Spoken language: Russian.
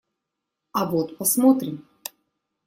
А вот посмотрим!